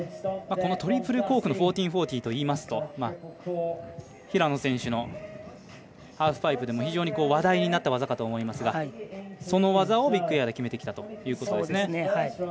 このトリプルコークの１４４０といいますと平野選手のハーフパイプでも非常に話題となった技かと思いますがその技をビッグエアで決めてきたということでうね。